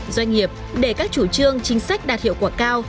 doanh nghiệp để các chủ trương chính sách đạt hiệu quả cao